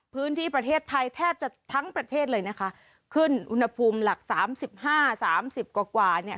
พื้นที่ประเทศไทยแทบจะทั้งประเทศเลยนะคะขึ้นอุณหภูมิหลักสามสิบห้าสามสิบกว่ากว่าเนี่ย